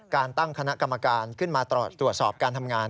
การตั้งคณะกรรมการขึ้นมาตรวจสอบการทำงาน